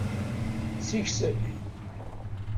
Siksel.